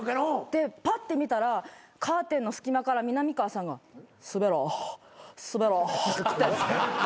でパッて見たらカーテンの隙間からみなみかわさんが「スベろスベろ」って。